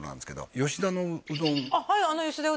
吉田うどん